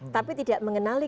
tapi tidak mengenali